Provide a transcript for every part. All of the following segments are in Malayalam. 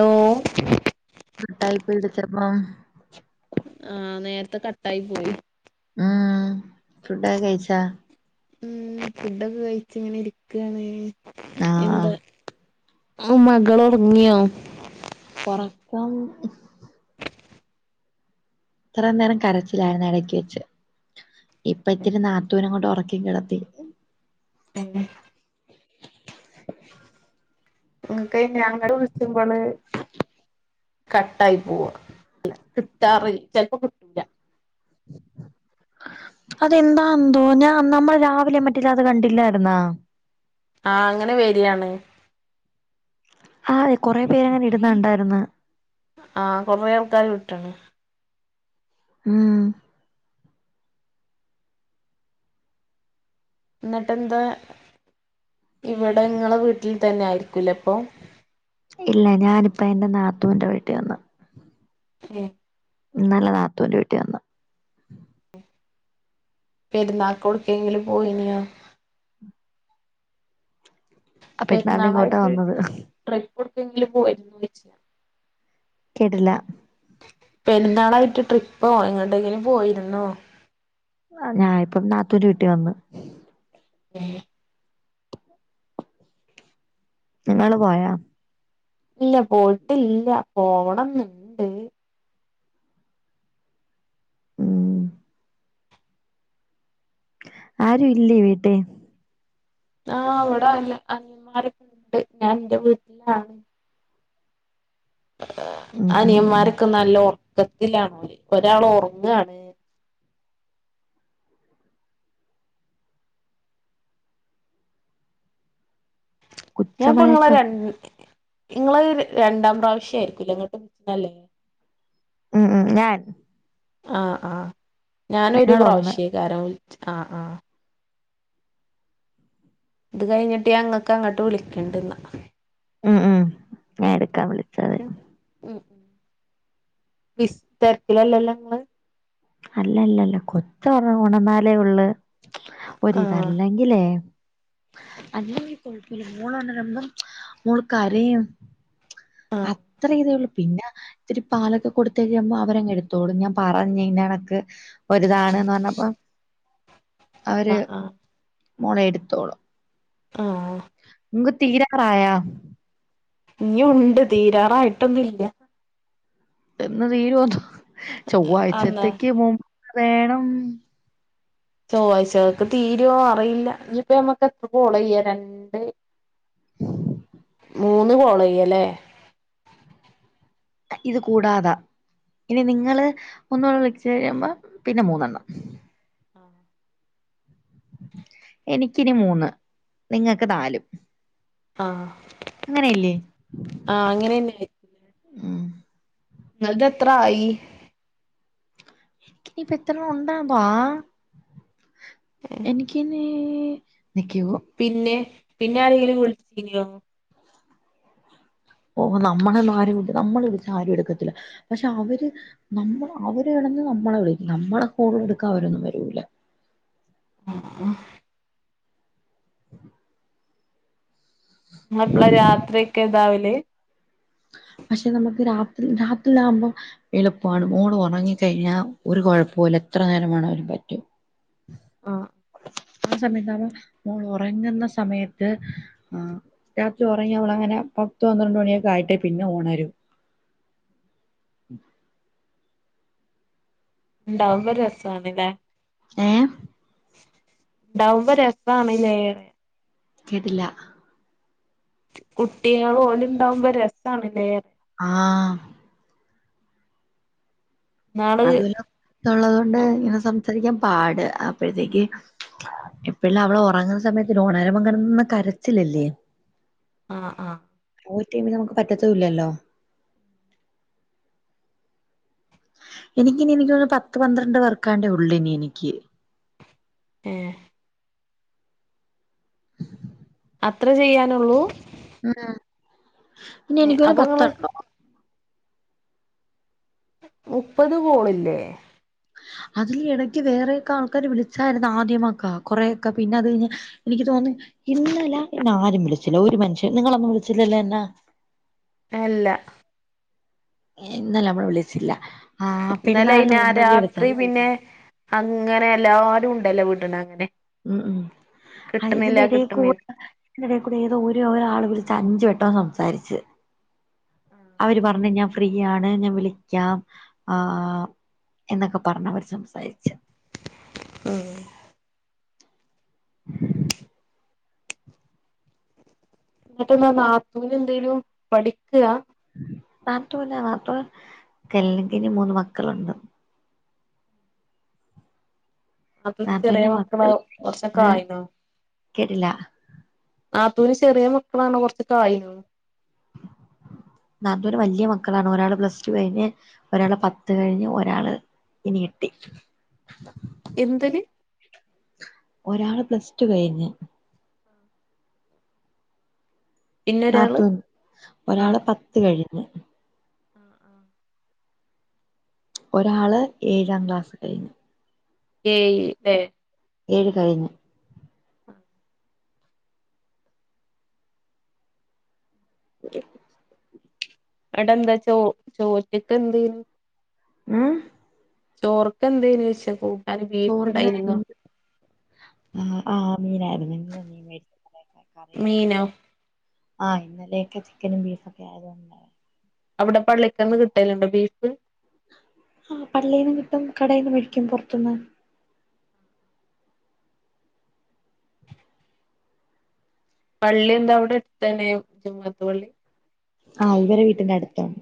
ഹലോ കട്ടായി [unintelligible] ആഹ് നേരത്തെ കട്ടായി പോയി. ഉം ഫുഡൊക്കെ കഴിച്ച? ഉം ഫുഡൊക്കെ കഴിച്ചിങ്ങനെ ഇരിക്കാണ് ആഹ് എന്താ? മം മകളൊറങ്ങിയോ? ഒറക്കം. ഇത്ര നേരം കരച്ചിലായിരുന്നു ഇടയ്ക്ക് വെച്ച്, ഇപ്പ ഇത്തിരി നാത്തൂനങ്ങോട്ട് ഉറക്കി കിടത്തി. പിന്നെ. ഇങ്ങക്കയിനി ഞങ്ങള് വിളിച്ച്പോള്. കട്ടായി പോവും കിട്ടാറ് ചെലപ്പോ കിട്ടാറി അതെന്താന്തോ ഞാൻ നമ്മൾ രാവിലെയ മറ്റില്ല അത് കണ്ടില്ലായിരുന്നാ. ആഹഹ് അങ്ങനെ വെരിയാണ്. ആ അതെ കൊറെ പേരങ്ങനെ ഇടുന്നുണ്ടായിരുന്ന്. ആ കുറേ ആൾക്കാര് വിട്ടിന് ഉം ഇന്നട്ടെന്താ ഇവിടെ ഇങ്ങളെ വീട്ടിൽ തന്നെ ആയിരിക്കൂലെ ഇപ്പൊ. ഇല്ല ഞാനിപ്പ എന്റെ നാത്തൂന്റെ വീട്ടി വന്ന്. ഏഹ് ഇന്നലെ നാത്തൂന്റെ വീട്ടിൽ വന്ന്. പെരുന്നാക്ക് ഓട്ക്കെങ്കിലും പോയിനിയോ? അപ്പൊ ഇന്നാണ് ഇങ്ങോട്ടാ പെരുന്നാളായിട്ട് വന്നത് ട്രിപ്പ് ഒടുക്കെങ്കിലും പോയിരുന്നോ ചോയ്ച്ച. കേട്ടില്ല. പെരുന്നാളായിട്ട് ട്രിപ്പോ എങ്ങട്ടെങ്കിലും പോയിരുന്നോ? ഞാൻ ഇപ്പം നാത്തൂന്റെ വീട്ടിൽ വന്ന്. [unintelligible] നിങ്ങള് പോയാ? ഇല്ല പോയിട്ടില്ല പോവണം ന്നിണ്ട്. ഉം ആരും ഇല്ലേ വീട്ടി ആഹ് അവിടെ അല്ല അനിയന്മാരൊക്കെ ഉണ്ട് ഞാൻ ഇന്റെ വീട്ടിലാണ്. ഉം ഉം ഉം അനിയന്മാരൊക്കെ നല്ല ഉറക്കത്തിലാണ ഓല് ഒരാൾ ഒറങ്ങാണ്. ഞാൻ ഇപ്പ ഇങ്ങളെ കുച്ചമയക്കം ര ഇങ്ങളെ രണ്ടാം പ്രാവശ്യായിരിക്കൂല്ല ഇങ്ങോട്ട് വല്ലേ. മം മം ഞാൻ. ആഹ് ആഹ് ഞാനൊരു നിങ്ങളൊന്ന് പ്രാവശ്യക്കാരം വിളി ആഹ് ആഹ് ഇത് കഴിഞ്ഞിട്ട് ഞാൻ ഇങ്ങക്ക് അങ്ങട്ട് വിളിക്കണ്ട്ന്ന. ഉം ഉം ഞാൻ എടുക്കാൻ വിളിച്ചാതി. മ് [unintelligible] തെരക്കില്ലല്ലോങ്ങള്? അല്ലല്ലല്ല കൊച്ച് ഉ ഉണർന്നാലേ ഒള്ളി ഓരിത് ആഹ് അല്ലെങ്കിലേ. അല്ലെങ്കി കൊയപ്പല്ല മോള് [unintelligible] മോള് കരയും ആഹ് അത്ര ഇതേ ഉള്ളൂ പിന്ന. ഇത്തിരി പാലൊക്കെ കൊടുത്ത ഴിയുമ്പ അവരങ്ങെടുത്തോളൂ ഞാൻ പറഞ്ഞഞയി ഞനക്ക്. ഒരുതാണ്ന്ന് പറഞ്ഞപ്പോ അവര് ആഹ് ആഹ് മോളെ എടുത്തോളൂ. ആഹ് ങ്ക് തീരരായേ ഇനിഉണ്ട് തീരാറായ്ട്ടൊന്നുല്ല എന്ന് തീരുവോ എന്തോ അന്നാ ചൊവ്വാഴ്ചത്തേക്ക് മുമ്പ് വേണം ചൊവ്വാഴ്ചകക്ക് തീരുവോ അറിയില്ല ഇനിപ്പ ഞമ്മക്ക് എത്ര കോള് ചെയ്യ രണ്ട് മൂന്ന് കോള് ചെയ്യാല്ലേ ഇത് കൂടാതാ ഇനി നിങ്ങള് ഒന്നൂട വിളിച്ച് കയ്മ്പ പിന്ന മൂന്നെണ്ണം [inaudible] എനിക്കിനി മൂന്ന് നിങ്ങക്ക് നാലും അഹ് ആഹ അങ്ങനെന്നല്ലെ ഉം നിങ്ങൾതെത്രായി ഇനിപ്പ എത്രണോ ഒണ്ടാ ന്ന്വാ എനിക്കിനി നീ എനിക്കൂ പിന്നെ പിന്നാരെങ്കിലും വിളിച്ചിന്നോ ഓ നമ്മളന്നു ആരും നമ്മള് വിളിച്ച ആരു എട്ക്കത്തില്ല പഷെ അവര് നമ്മള് അവര് കെടന്ന് നമ്മള വിളിക്ക് നമ്മള കോളെടുക്കാ അവരൊന്നും വരൂല്ല അഹാ നിങ്ങളെപ്പള രാത്രിയക്കെ ഇതാവല് പഷെ നമക്ക് രാത്രി രാത്രിലാമ്പം എളുപ്പാണ് മോളൊറങ്ങി കയ്ഞ്ഞാ ഒര് കൊഴപ്പോല എത്ര നേരം വെണോങ്കിലും പറ്റും ആഹ് ആ സമയ്ത്താവാ മോളൊറങ്ങ്ന്ന സമയത്ത് ആഹ രാത്രി ഒറങ്ങിയ അവളങ്ങനെ പത്ത് പന്ത്രണ്ട് മണിയെക്കായ്ട്ടേ പിന്ന ഓണരു ഇണ്ടാവ്മ്പ രസാണ്ല്ലെ ഏഹ് ഇണ്ടാവ്മ്പ രസാണ്ല്ലേന്ന് കേട്ടില്ല കുട്ടിള് ഓല് ഇണ്ടാവ്മ്പ രസാണ്ല്ലേ ആഹ് ഇന്നാള് അതൊര് തൊള്ളദൊണ്ട് ഇങ്ങന സംസാരിക്കാം പാട് അപ്പഴ്‌ത്തേക്ക് ഇപ്പലവള് ഒറങ്ങ്ന്ന സമയത്ത്ല് ഓണര്മ്പ കെടന്ന് കരച്ചില്ലല്ലേ അഹ് ആഹ് ഓവർ ടൈമി നമക്ക് പറ്റത്തു ഇല്ലല്ലോ എനിക്കിനി [unintelligible] പത്ത് പന്ത്രണ്ട് വർക്കാണ്ടെ ഉള്ള്നി എനിക്ക് ഏഹ് [inaudible] അത്രെ ചെയ്യാനുള്ളൂ ആഹ് പിന്നെ ഏഹ് എനിക്കൊരു അപ്പൊ ഇങ്ങള് പത്തണ്ടോ? മുപ്പത് കോളില്ലേ? അതിൽ ഇടക്ക് വേറെക്കെ ആൾക്കാര് വിളിച്ചാര്ന്ന് ആദ്യമൊക്ക കൊറെക്ക പിന്നത് കയ്ഞ്ഞ് എനിക്ക് തോന്ന്ന്ന് ഇന്നലെ എന്നാരും വിള്ച്ചില്ല ഒര് മനുഷ്യൻ നിങ്ങളൊന്നും വിളിച്ചില്ലല്ലോ എന്നാ? അല്ല. ഇന്നലെ അമ്മള് വിള്ച്ച്ല്ല. ഇന്നലയ്ന ആ രാത്രി പിന്നെ അങ്ങനെ എല്ലാരുണ്ടല്ലോ വീട്ട്നങ്ങനെ ഉം ഉം അയ് ഇതിന്റെടെ കിട്ട്ണി കൂട ഇ ത്‌ന്റടെ കൂടെ ഏതോ ഒരെ ഒരാള് വിള്ച്ച് അഞ്ച് വെട്ടോം സംസാരിച്ച്. അവര് പർഞ്ഞ് ഞാം ഫ്രീയാണ് ഞാ വിളിക്കാം ആ എന്നൊക്ക പർഞ്ഞവര് സംസാരിച്ച്. ഉം എന്നിട്ടെന്ത നാത്തൂനെന്തെലും പഠിക്ക? നാത്തൂ ന്ന് ആറ് കല്ലിങ്കയ്ഞ്ഞ് മൂന്ന് മക്കളുണ്ട്. നാത്തൂന് നാത്തൂന്റെ ചെറ്യ മക്കള മക്കൾ കൊർച്ചൊക്കെ ആയിണ്. കേട്ടില്ല ആത്തൂന് ചെറ്യ മക്കളാണ് കൊർച്ചൊക്കായീണ്. നാത്തൂന്ന് വെല്ല്യ മക്കളാണ് ഒരാള് പ്ലസ് ടു കഴിഞ്ഞ് ഒരാള് പത്ത് കഴിഞ്ഞു ഒരാള് ഇനി എട്ടി എന്തിന്? ഒരാള് പ്ലസ് ടു കഴിഞ്ഞ് പിന്നൊരാള് നാത്തൂൻ ഒരാള് ആഹ് പത്ത് കഴിഞ്ഞ് ഒരാള് ഏഴാം ക്ലാസ്സ് കഴ്ഞ്ഞ്. ഏയ് ല്ലേ ഏഴ് കഴിഞ്ഞ്. ആഹ് ഒക്കെ. അവ്ടെ എന്താ ചോ ചോറ്റ്ക്കെന്തേനി? ആഹ്. ചോർക്കെ എന്തേനീ ചോയ്ച്ചാ ചോർന [unintelligible] ആഹ് ആഹ് മീനായിരുന്നു ഇന്ന് മീൻ മേടിച്ച കറിയായിരുന്നു. മീനോ ആ ഇന്നലെയൊക്കെ ചിക്കനും ബീഫും ഒക്കെ ആയതുകൊണ്ട. അവിടെ പള്ളിക്കന്ന് കിട്ടല്ണ്ടോ ബീഫ്. ആ പള്ളീന്നും കിട്ടും കടേന്ന് മേടിക്ക്യും പൊർത്ത്ന്ന്. പള്ളിം ന്താ അവ്ടെ എട്ത്തന്നെ ജമാഅത്ത് പള്ളി? ആഹ് ഇവരെ വീട്ടിന്റെട്ത്താണ്.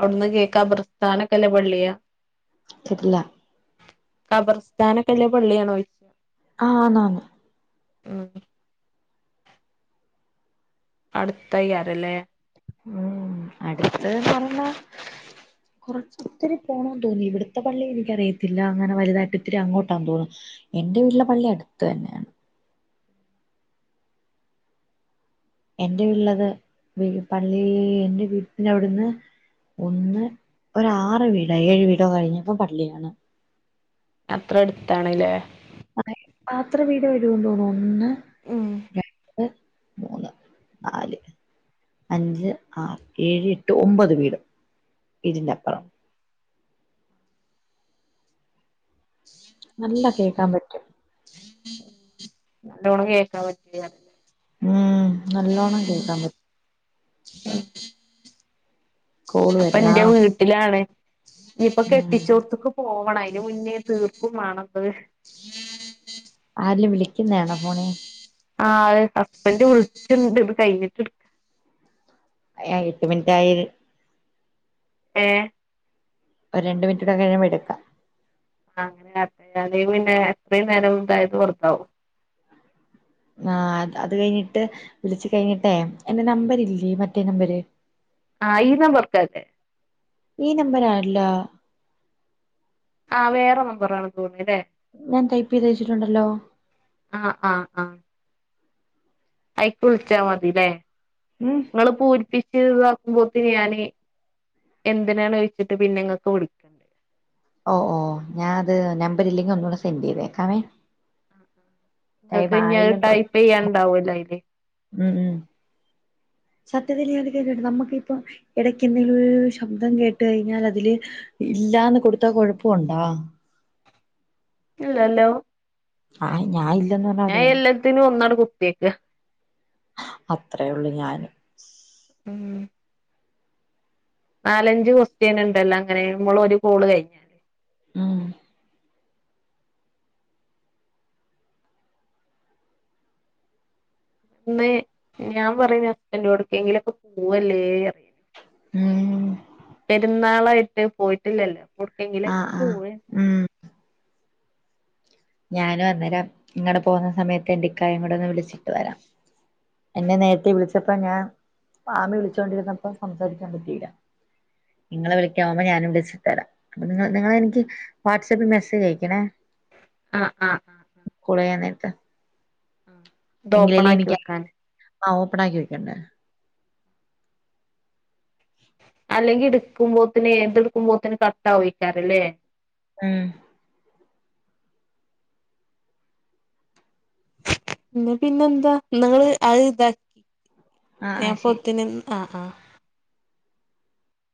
അവ്ട്‌ന്ന് കേക്കാ ബ്രസ്ഥാനൊക്കെ ള്ള പള്ളിയ. കേട്ട്ല്ല കബർസ്ഥാനൊക്കെല്ല പള്ളിയാണോ? ആഹ് ണ് ഉം അട്ത്തായ്യാരല്ലേ? ഉം അട്ത്ത് പർഞ്ഞ കൊർച്ചിത്തിരി പോണംന്ന് തോന്നി ഇവിട്ത്തെ പള്ളി എനിക്കറിയത്തില്ല അങ്ങനെ വല്തായിട്ട ഒത്തിരി അങ്ങോട്ടാന്ന് തോന്നുന്നു. എന്റെ വീട്ടിലെ പള്ളി അടുത്ത് തന്നെയാ എൻ്റെ വീട്ടിലത് പള്ളി എൻ്റെ വീട്ടിൻ്റവ്ടുന്ന് ഒന്ന് ഒരാറ് വീടോ ഏഴ് വീടോ കഴിഞ്ഞപ്പോ പള്ളിയാണ് അത്ര അടുത്താണ് ല്ലേ അതെ പത്ര വീട് വരുവന്ന് തോന്നു ഒന്ന് ഉം രണ്ട് മൂന്ന് നാല് അഞ്ച് ആറ് ഏഴ് എട്ട് ഒമ്പത് വീട് വീടിന്റപ്പറം നല്ല കേക്കാൻ പറ്റും നല്ലോണം കേക്കാൻ പറ്റില്യ ഉം നല്ലോണ്ണം കേക്കാൻ പറ്റും ഉം കോള് അപ്പൊ വരുന്നാ എന്റെ വീട്ടിലാണെ നീയിപ്പ ഉം കെട്ടിച്ചോട്ത്ത്ക്ക് പോവണ അയിന് മുന്നേ തീർക്കും വേണത് ആരിലും വിളിക്കുന്നതാണോ പോണെ ആഹ് ആഹ് ഹസ്ബൻ്റിനെ വിളിച്ചുണ്ട് ഇത് കഴിഞ്ഞിട്ട് ആഹ് എട്ട് മിനിറ്റായി ഏഹ് ഒരു രണ്ട് മിനിറ്റുടീ കഴിയുമ്പ എടുക്കാം ആഹ് അങ്ങനെ പിന്നെ എത്രയും നേരം ഇതായത് കൊറത്താവും [unintelligible] ആഹ് അത് അത് കഴിഞ്ഞിട്ട് വിളിച്ചു കഴിഞ്ഞിട്ടേ എന്റെ നമ്പരില്ലേ മറ്റേ നമ്പര് ആഹ് ഈ നമ്പർക്കല്ലേ ഈ നമ്പരല്ല ആഹ് വേറെ നമ്പറാണെന്ന് തോന്നി ല്ലേ ഞാൻ ടൈപ്പെയ്ത് വെച്ചിട്ടുണ്ടല്ലോ ആഹ് ആഹ് ആഹ് അയിക്ക് വിള്ച്ചാ മതി ല്ലേ ഉം ങ്ങള് പൂരിപ്പിച്ച് ഇതാക്കുമ്പോത്തേന് ഞാന് എന്തിനാണ് വെച്ചിട്ട് പിന്നെങ്ങക്ക് വിള് ഓഹ് ഓഹ് ഞാത് നമ്പരില്ലെങ്കി ഒന്നൂടെ സെൻഡെയ്‌തേക്കാവേ ഇങ്ങക്കിന്നിയത് ആയില്ലെന്ന് തോന്നു ടൈപ്പെയ്യാൻണ്ടാവൂല്ലോ അയില് ഉം ഉം സത്യത്തില് ഞാന്ന് കേക്കട്ടെ നമ്മക്കിപ്പൊ എടയ്ക്കെന്തല്ലോ ശബ്ദം കേട്ട് കയിഞ്ഞാൽ അതില് ഇല്ലാന്ന് കൊടുത്ത കൊഴപ്പൊണ്ടാ ഇല്ലല്ലോ ആയ് ഞാ [unintelligible] തിന് ഒന്നാട് കുത്തിയേക്ക അത്രേയേ ഒള്ളു ഞാനും ഉം നാലഞ്ച് ക്വസ്റ്റ്യന്ണ്ടല്ലോ അങ്ങനെ നമ്മളൊരു കോള് കയ്ഞ്ഞാ ഉം ഇന്ന് ഞാൻ പറഞ്ഞ് ഹസ്ബൻ്റോടേട്ക്കെങ്കിലൊക്കെ പൂവല്ലേ പറയാ ഉം പെരുന്നാളായിട്ട് പോയിട്ടില്ലല്ലോ അപ്പൊട്ക്കെങ്കിലും ആ ആ പൂവേനു ഉം ഞാനും അന്നരം ഇങ്ങള് പോവ്‌ന്ന സമയത്ത് എന്റിക്കായേം കൂടെ ഒന്ന് വിളിച്ചിട്ട് വരാം എന്നെ നേരത്തെ വിളിച്ചപ്പം ഞാൻ ആമി വിളിച്ചോണ്ടിരുന്നപ്പം സംസാരിക്കാൻ പറ്റീല്ല നിങ്ങളെ വിളിക്കാ മ്പോ ഞാനും വിളിച്ചിട്ടു വരാ അപ്പൊ നിങ്ങ നിങ്ങളെനിക്ക് വാട്സആപ്പിൽ മെസ്സേജ് അയക്കണേ? ആഹ് ആഹ്. ആഹ് കുളിയാന്നേരത്ത് ആഹ് ഇത് ഓപ്പൺ എങ്കിലല്ലേ ആക്കി എനിക്ക് വെക്കാന് ആഹ് ഓപ്പൺ ആക്കി വയ്ക്കണ്ടേ. അല്ലെങ്കി ഇടുക്കുമ്പോത്തിന് ഇതെടുക്കുമ്പോത്തിന് കട്ടാവുക്കാരല്ലേ? ഉം. ന്ന് പിന്നെന്താ നിങ്ങള് അത് ഇതാക്ക് ആ ആ ശരി ഞാനപ്പോത്തിന് ആ ആ.